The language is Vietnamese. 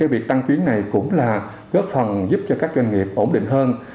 việc tăng chuyến này cũng là góp phần giúp cho các doanh nghiệp ổn định hơn